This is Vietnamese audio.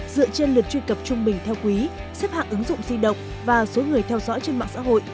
dựa trên lượt truy cập trung bình theo quý xếp hạng ứng dụng di động và số người theo dõi trên mạng xã hội